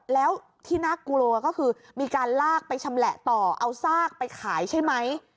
แล้วที่น่ากลัวก็คือมีการลากไปชำแหละต่อเอาซากไปขายใช่ไหม